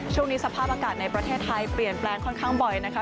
ช่วงนี้สภาพอากาศในประเทศไทยเปลี่ยนแปลงค่อนข้างบ่อยนะคะ